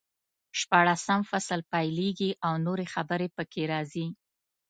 شپاړسم فصل پیلېږي او نورې خبرې پکې راځي.